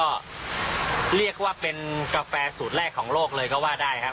ตรงนี้นะครับก็เรียกว่าเป็นกาแฟสูตรแรกของโลกเลยก็ว่าได้ครับ